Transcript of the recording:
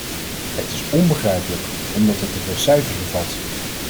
Het is onbegrijpelijk, omdat het te veel cijfers bevat.